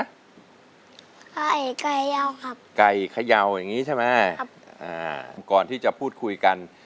ไก่ไก่ย่าครับไก่เขย่าอย่างนี้ใช่ไหมครับอ่าก่อนที่จะพูดคุยกัน